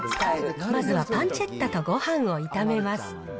まずはパンチェッタとごはんを炒めます。